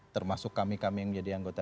termasuk kami kami yang menjadi anggota